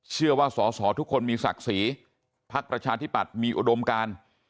เชื่อว่าสอสอทุกคนมีศักดิ์ศรีพักประชาธิปัตย์มีอุดมการ